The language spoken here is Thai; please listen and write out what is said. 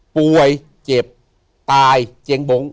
ป่วยเจ็บตายเจียงบง